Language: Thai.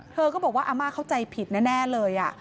เธอก็บอกว่าอาม่าเข้าใจผิดแน่เลย